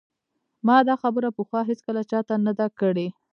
ما دا خبره پخوا هیڅکله چا ته نه ده کړې